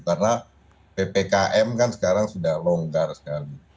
karena ppkm kan sekarang sudah longgar sekali